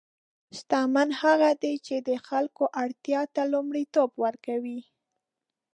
شتمن هغه دی چې د خلکو اړتیا ته لومړیتوب ورکوي.